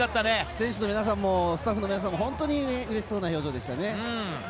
選手の皆さんもスタッフの皆さんも嬉しそうな表情でしたね。